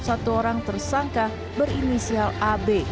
satu orang tersangka berinisial ab